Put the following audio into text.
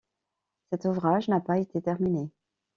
Cet ouvrage n’a pas été terminé.